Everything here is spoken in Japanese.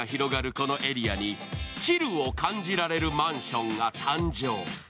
このエリアにチルを感じられるマンションが誕生。